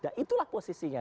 nah itulah posisinya